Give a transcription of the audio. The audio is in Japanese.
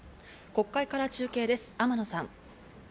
国会から中継です、天野さん。